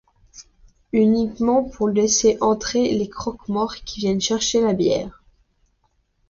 Uniquement pour laisser entrer les croque-morts qui viennent chercher la bière.